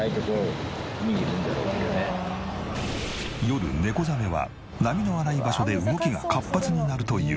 夜ネコザメは波の荒い場所で動きが活発になるというが。